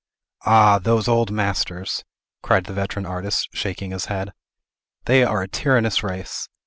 "Ah, those old masters!" cried the veteran artist, shaking his head. "They are a tyrannous race!